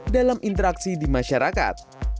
dalam interaksi di masyarakat